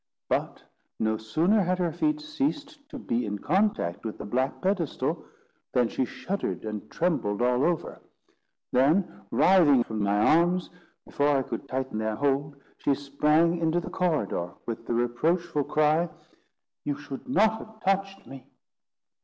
But no sooner had her feet ceased to be in contact with the black pedestal, than she shuddered and trembled all over; then, writhing from my arms, before I could tighten their hold, she sprang into the corridor, with the reproachful cry, "You should not have touched me!"